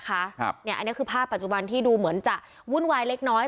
อันนี้คือภาพปัจจุบันที่ดูเหมือนจะวุ่นวายเล็กน้อย